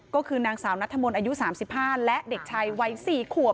ก็คือนางสาวนัดธรรมนิอายุ๓๕และเด็กชายไว้สี่ขวบ